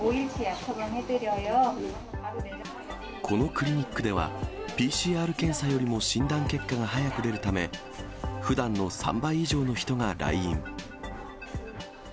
このクリニックでは、ＰＣＲ検査よりも診断結果が早く出るため、ふだんの３倍以上の人が来院。